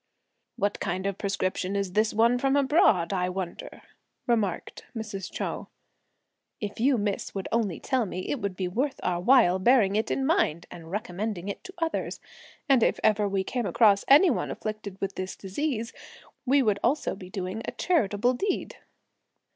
"What kind of prescription is this one from abroad, I wonder," remarked Mrs. Chou; "if you, miss, would only tell me, it would be worth our while bearing it in mind, and recommending it to others: and if ever we came across any one afflicted with this disease, we would also be doing a charitable deed."